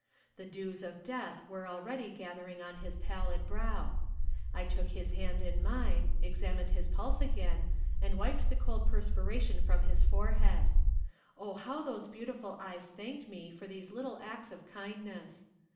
The dews of death were already gathering on his pallid brow. I took his hand in mine, examined his pulse again, and wiped the cold perspiration from his forehead. Oh how those beautiful eyes thanked me for these little acts of kindness!